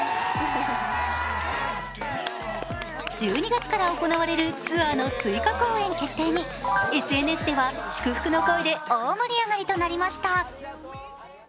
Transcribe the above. １２月から行われるツアーの追加公演決定にＳＮＳでは、祝福の声で大盛り上がりとなりました。